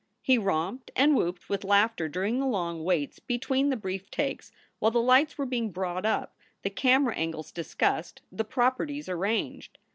He romped and whooped with laughter during the long waits between the brief takes while the lights were being brought up, the camera angles discussed, the properties arranged.